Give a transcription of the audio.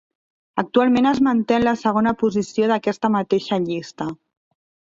Actualment es manté en la segona posició d'aquesta mateixa llista.